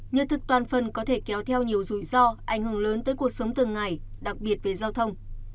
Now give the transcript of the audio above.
nhật thực toàn phần có thể kéo theo nhiều rủi ro ảnh hưởng lớn tới cuộc sống thường ngày đặc biệt về giao thông